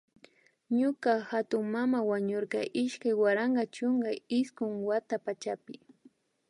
Ñuka hatunmana wañurka iskay waranka chunka iskun wata pachapi